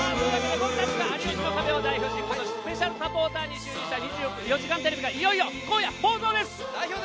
僕たちが『有吉の壁』を代表してスペシャルサポーターに就任した『２４時間テレビ』がいよいよ放送です。